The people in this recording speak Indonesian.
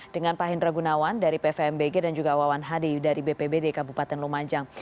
dengan pak hendra gunawan dari pvmbg dan juga wawan hadi dari bpbd kabupaten lumajang